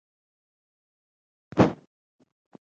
ښه اخلاق د انسان غوره صفت دی.